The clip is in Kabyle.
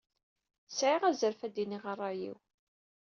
Sɛiɣ azref ad d-iniɣ ṛṛay-iw.